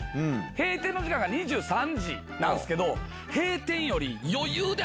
閉店の時間が２３時なんすけど。